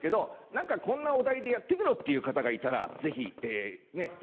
何かこんなお題でやってみろっていう方がいたらぜひ。